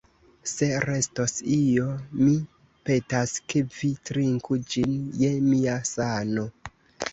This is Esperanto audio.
Se restos io, mi petas, ke vi trinku ĝin je mia sano.